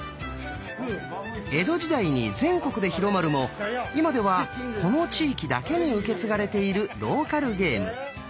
江戸時代に全国で広まるも今ではこの地域だけに受け継がれているローカルゲーム。